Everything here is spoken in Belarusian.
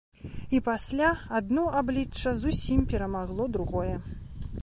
І пасля адно аблічча зусім перамагло другое.